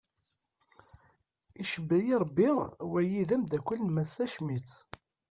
Icebbayi rebbi wagi d amdakel n massa Schmitt.